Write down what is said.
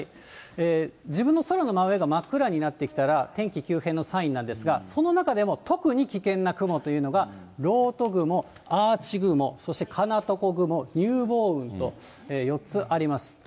自分の空の真上が真っ暗になってきたら、天気急変のサインなんですが、その中でも特に危険な雲というのが、漏斗雲、アーチ雲、そしてかなとこ雲、乳房雲と４つあります。